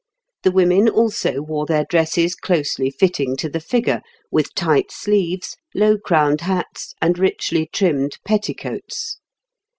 The women also wore their dresses closely fitting to the figure, with tight sleeves, low crowned hats, and richly trimmed petticoats.